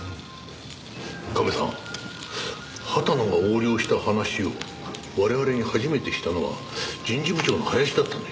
カメさん畑野が横領した話を我々に初めてしたのは人事部長の林だったね。